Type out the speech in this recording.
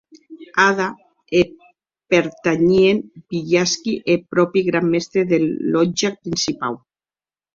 Ada eth pertanhien Villarski e eth pròpi gran mèstre de lòtja principau.